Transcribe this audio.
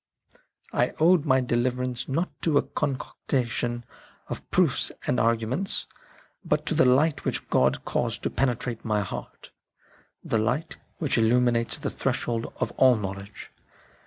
I owed my deliverance, not to a concatenation of proofs and arguments, but to the light which God caused to penetrate into my heart — the light which NECESSITY OF EARNEST SEARCH 19 illuminates the threshold of all knowledge.